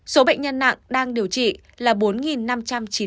số bệnh nhân nặng đang điều trị là bốn năm trăm chín mươi chín ca